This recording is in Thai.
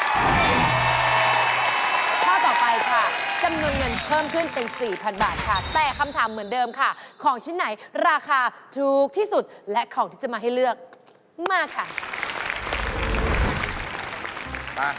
ข้อต่อไปค่ะจำนวนเงินเพิ่มขึ้นเป็น๔๐๐บาทค่ะแต่คำถามเหมือนเดิมค่ะของชิ้นไหนราคาถูกที่สุดและของที่จะมาให้เลือกมาค่ะ